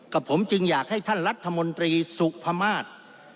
ผมจึงอยากให้ท่านรัฐมนตรีสุพมาศ